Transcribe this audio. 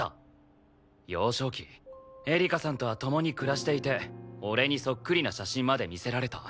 幼少期エリカさんとは共に暮らしていて俺にそっくりな写真まで見せられた。